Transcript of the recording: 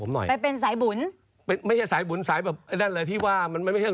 ลงตำแหน่งลงภาคหลักดีทั้งนั้นเลย